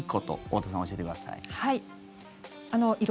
太田さん、教えてください。